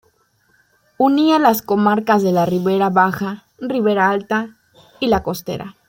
Unía las comarcas de la Ribera baja, Ribera alta y La costera.